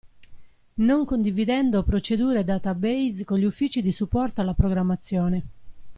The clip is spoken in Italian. Non condividendo procedure e database con gli uffici di supporto alla programmazione.